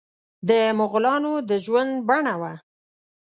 د مغولانو د ژوند بڼه وه.